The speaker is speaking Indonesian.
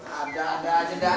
ada ada aja da